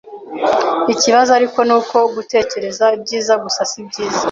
Ikibazo ariko ni uko gutekereza ibyiza gusa sibyiza